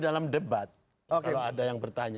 kalau ada yang bertanya